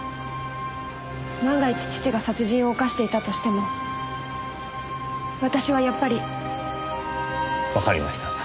万が一父が殺人を犯していたとしても私はやっぱり。わかりました。